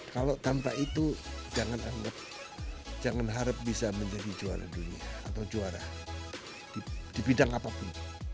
kalau tanpa itu jangan anggap jangan harap bisa menjadi juara dunia atau juara di bidang apapun